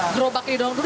jerobaknya di dalam dulu